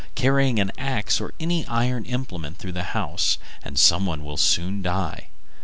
Carry an axe or any iron implement through the house, and some one will soon die.